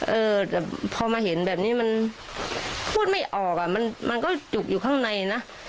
เออแต่พอมาเห็นแบบนี้มันพูดไม่ออกอ่ะมันก็จุกอยู่ข้างในนะ